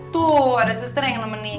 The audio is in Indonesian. tuh ada suster yang nemenin